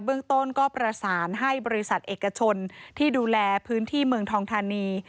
เรื่องต้นก็ประสานให้บริษัทเอกชนที่ดูแลพื้นที่เมืองทองธานี